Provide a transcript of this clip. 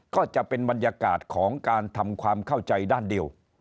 ก็จะเป็นบรรยากาศของการทำความเข้าใจด้านเดียว